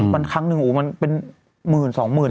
มันครั้งนึงมันเป็นหมื่นสองหมื่น